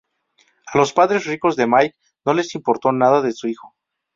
A los padres ricos de Mike no les importa nada de su hijo.